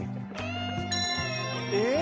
えっ？